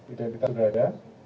identitas sudah ada